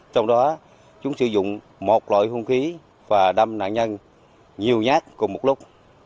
trong đó chúng sử dụng một loại hung khí và đâm nạn nhân nhiều nhát cùng một lúc